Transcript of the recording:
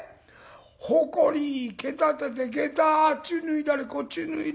ほこり蹴立てて下駄あっち脱いだりこっち脱いだり。